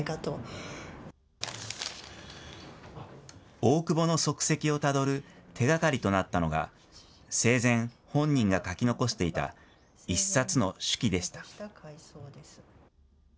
大久保の足跡をたどる手がかりとなったのが、生前、本人が書き残していた一冊の手記でした。